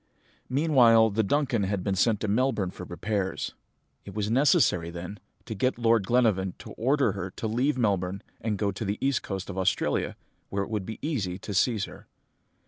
"Meanwhile the Duncan had been sent to Melbourne for repairs. It was necessary, then, to get Lord Glenarvan to order her to leave Melbourne and go to the east coast of Australia, where it would be easy to seize her.